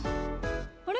あれ？